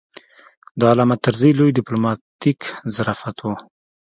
د علامه طرزي لوی ډیپلوماتیک ظرافت و.